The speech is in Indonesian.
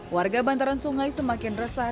warga bantaran sungai semakin resah